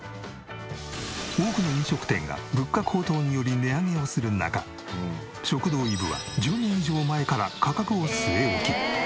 多くの飲食店が物価高騰により値上げをする中食堂いぶは１０年以上前から価格を据え置き。